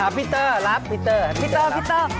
พี่เตอร์รับพี่เตอร์พี่เตอร์พี่เตอร์